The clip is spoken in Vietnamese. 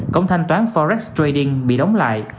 công thanh toán forex trading bị đóng lại